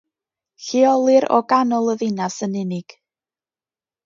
Lleolir o ganol y ddinas yn unig.